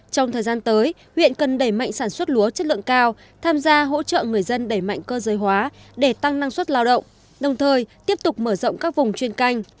trong thời gian tới huyện cần đẩy mạnh sản xuất lúa chất lượng cao tham gia hỗ trợ người dân đẩy mạnh cơ giới hóa để tăng năng suất lao động đồng thời tiếp tục mở rộng các vùng chuyên canh